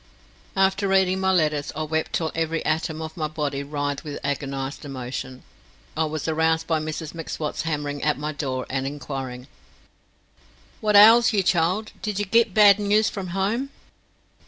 After reading my letters I wept till every atom of my body writhed with agonized emotion. I was aroused by Mrs M'Swat hammering at my door and inquiring: "What ails ye, child? Did ye git bad noos from home?"